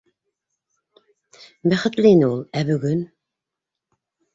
Бәхетле ине ул. Ә бөгөн?